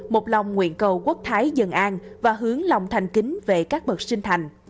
một lòng nguyện cầu quốc thái dân an và hướng lòng thành kính về các bậc sinh thành